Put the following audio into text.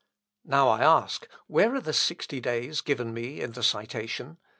Now, I ask, where are the sixty days given me in the citation?